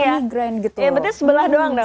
ya berarti sebelah doang dong